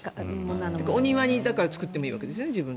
お庭に作ってもいいわけですよね。